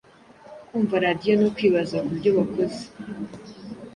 kumva radiyo no kwibaza ku byo wakoze